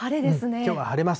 きょうは晴れます。